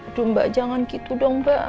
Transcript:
aduh mbak jangan gitu dong mbak